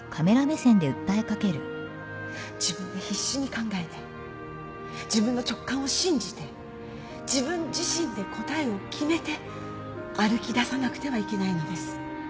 自分で必死に考えて自分の直感を信じて自分自身で答えを決めて歩き出さなくてはいけないのです。